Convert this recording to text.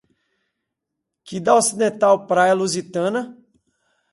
Que da ocidental praia Lusitana